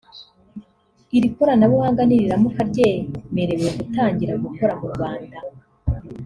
Iri koranabuhanga niriramuka ryemerewe gutangira gukora mu Rwanda